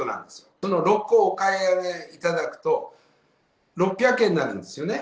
その６個お買い上げいただくと、６００円になるんですよね。